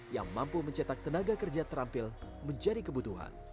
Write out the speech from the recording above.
yang mampu mencetak tenaga kerja terampil menjadi kebutuhan